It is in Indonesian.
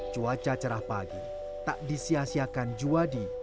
cuaca cerah pagi tak disiasiakan juwadi